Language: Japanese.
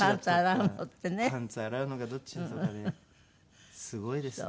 パンツ洗うのがどっちとかねすごいですね。